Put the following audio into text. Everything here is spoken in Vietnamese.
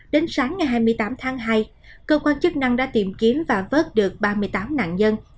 đến sáng ngày hai mươi tám tháng hai cơ quan chức năng đã tìm kiếm và vớt được ba mươi tám nạn nhân